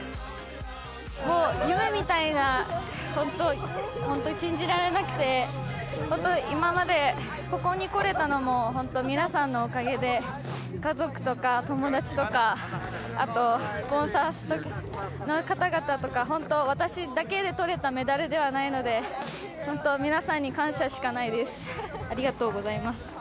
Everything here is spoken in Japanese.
もう夢みたいな本当、本当に信じられなくて、本当、今まで、ここに来れたのも本当、皆さんのおかげで、家族とか友達とか、あとスポンサーの方々とか、本当、私だけでとれたメダルではないので、本当、皆さんに感謝しかないです。